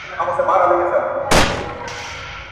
راته مه ګوره میدان د ښکلیو نجونو-